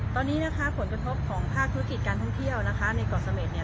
ตอนนี้นะคะผลกระทบของภาคธุรกิจการท่องเที่ยวนะคะในเกาะเสม็ดเนี่ย